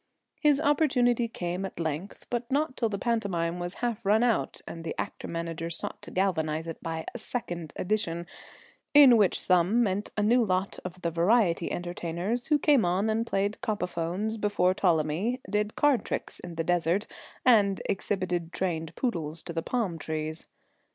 His opportunity came at length, but not till the pantomime was half run out and the actor manager sought to galvanise it by a "second edition," which in sum meant a new lot of the variety entertainers who came on and played copophones before Ptolemy, did card tricks in the desert, and exhibited trained poodles to the palm trees.